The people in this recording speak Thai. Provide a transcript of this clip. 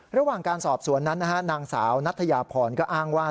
ระหว่างการสอบสวนนั้นนะฮะนางสาวนัทยาพรก็อ้างว่า